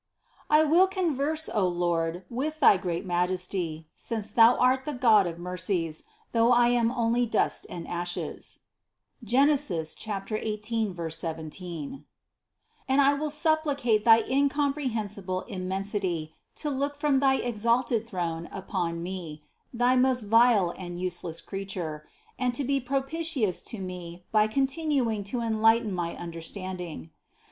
I will converse, O Lord, with Thy great Majesty, since Thou art the God of mercies, though I am only dust and ashes (Gen. 18, 17), and I will supplicate thy incomprehensible Immensity to look from thy exalted throne upon me, thy most vile and useless creature, and to be propitious to me by continuing to enlighten my under standing.